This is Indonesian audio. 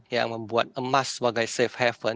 yang membuat emas sebagai safe haven